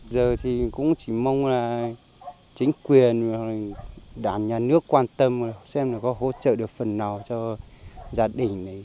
giờ thì cũng chỉ mong là chính quyền và đảng nhà nước quan tâm xem là có hỗ trợ được phần nào cho gia đình